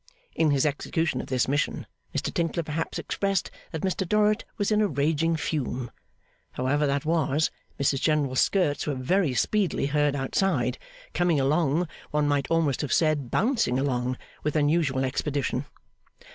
In his execution of this mission, Mr Tinkler perhaps expressed that Mr Dorrit was in a raging fume. However that was, Mrs General's skirts were very speedily heard outside, coming along one might almost have said bouncing along with unusual expedition.